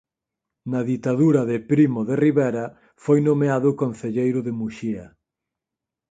Na ditadura de Primo de Rivera foi nomeado concelleiro de Muxía.